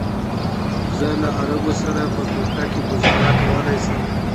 زه له عربو سره په کوټه کې ګوزاره کولی شم.